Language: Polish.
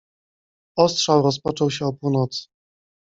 Ostrzał rozpoczął się o północy.